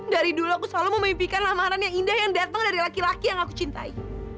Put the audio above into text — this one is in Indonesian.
dari dulu aku selalu memimpikan makanan yang indah yang datang dari laki laki yang aku cintai